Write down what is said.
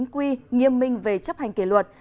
quy nghiêm minh về chấp hành kỷ luật